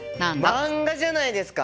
マンガじゃないですか？